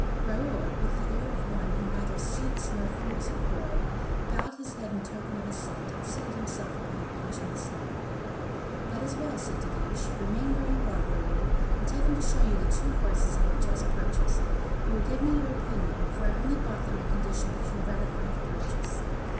Raoul, with the air of one who neither seeks nor fears a quarrel, bowed his head in token of assent, and seated himself upon a bench in the sun. "That is well," said De Guiche, "remain where you are, Raoul, and tell them to show you the two horses I have just purchased; you will give me your opinion, for I only bought them on condition that you ratified the purchase.